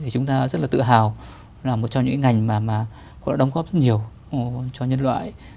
chúng ta rất là tự hào là một trong những ngành mà đã đóng góp rất nhiều cho nhân loại